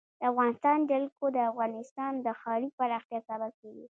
د افغانستان جلکو د افغانستان د ښاري پراختیا سبب کېږي.